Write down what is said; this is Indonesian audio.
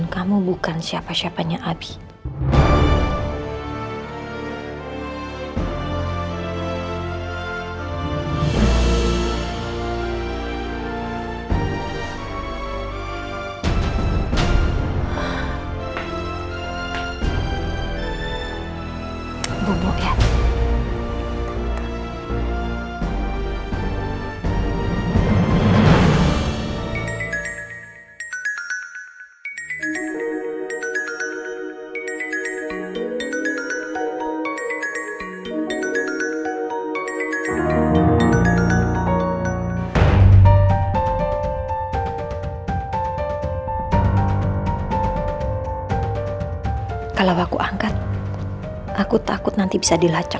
kamu harus tanggung akibatnya